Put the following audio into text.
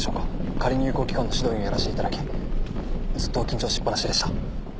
仮入校期間の指導員をやらせていただきずっと緊張しっ放しでした。